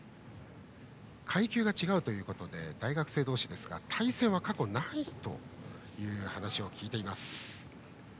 階級が違うということで大学生同士ですから対戦は過去にないという話を聞いています。